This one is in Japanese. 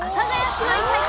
姉妹対決？